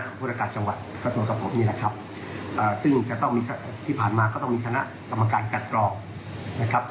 แต่การพบก็เป็นว่าพบไปในจังหวัดนะครับ